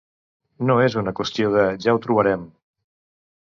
No és una qüestió de "ja ho trobarem".